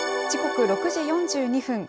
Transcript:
時刻６時４２分。